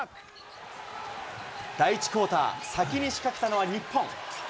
第１クオーター、先に仕掛けたのは日本。